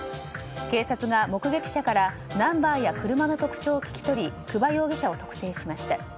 警察が目撃者からナンバーや車の特徴を聞き取り久場容疑者を特定しました。